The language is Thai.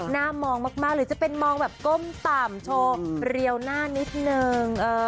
มองมากหรือจะเป็นมองแบบก้มต่ำโชว์เรียวหน้านิดนึง